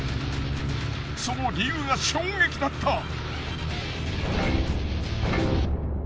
その理由が衝撃だった！